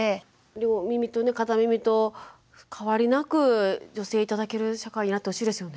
両耳と片耳と変わりなく助成頂ける社会になってほしいですよね。